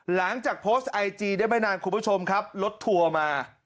หลังจากโพสต์ไอจีได้ไม่นานคุณผู้ชมครับรถทัวร์มา